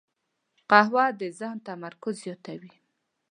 قهوه د ذهن تمرکز زیاتوي